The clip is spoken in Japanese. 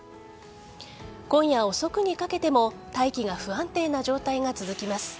今夜遅くにかけても大気が不安定な状態が続きます。